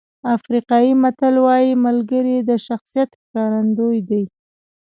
افریقایي متل وایي ملګري د شخصیت ښکارندوی دي.